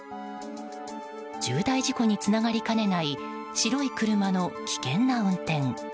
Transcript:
重大事故につながりかねない白い車の危険な運転。